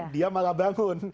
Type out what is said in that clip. dia malah bangun